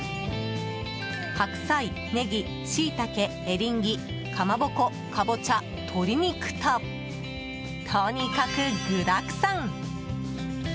白菜、ネギ、シイタケエリンギ、かまぼこカボチャ、鶏肉ととにかく具だくさん！